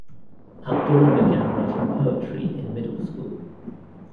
Abdullah began writing poetry in middle school.